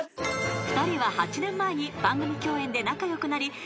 ［２人は８年前に番組共演で仲良くなり友達に］